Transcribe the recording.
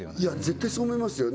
絶対そう思いますよ